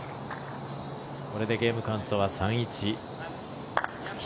これでゲームカウントは３−１。